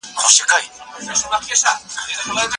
د بانكي سيسټم پياوړتيا د پانګوني سره مرسته کوي.